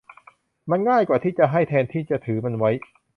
มันง่ายกว่าที่จะให้แทนที่จะถือมันไว้